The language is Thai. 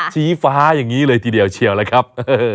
ชี้ฟ้าอย่างนี้เลยทีเดียวเชียวเลยครับ